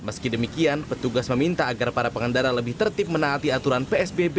meski demikian petugas meminta agar para pengendara lebih tertib menaati aturan psbb